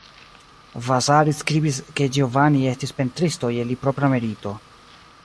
Vasari skribis ke Giovanni estis pentristo je li propra merito.